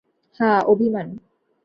হাঁ, অভিমান।